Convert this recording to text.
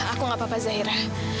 aku gak apa apa zahira